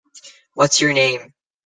What's Your Name?